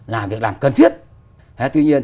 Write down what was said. là việc làm cần thiết tuy nhiên